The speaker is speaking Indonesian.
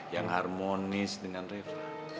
yang harmonis dengan reva